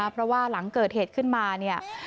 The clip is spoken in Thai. เพราะว่าหลังเกิดเหตุขึ้นมาเนี่ย